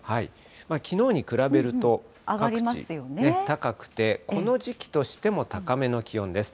きのうに比べると各地高くて、この時期としても高めの気温です。